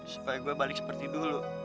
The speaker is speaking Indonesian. supaya gue balik seperti dulu